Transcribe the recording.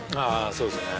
そうですよね